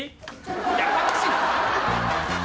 やかましい。